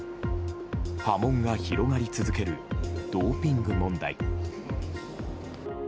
波紋が広がり続けるドーピング問題。